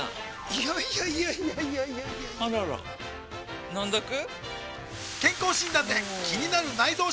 いやいやいやいやあらら飲んどく？